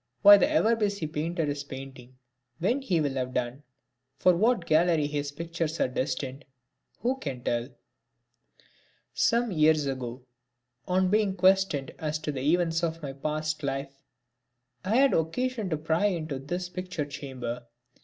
Why the ever busy painter is painting; when he will have done; for what gallery his pictures are destined who can tell? Some years ago, on being questioned as to the events of my past life, I had occasion to pry into this picture chamber.